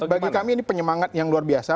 ya ini bagi kami ini penyemangat yang luar biasa